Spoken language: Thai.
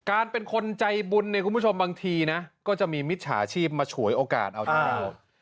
การเป็นคนใจบุญในคุณผู้ชมบางทีนะก็จะมีมิตรศาชีพมาฉวยโอกาสเอาทางให้โหด